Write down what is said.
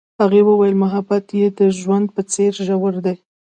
هغې وویل محبت یې د ژوند په څېر ژور دی.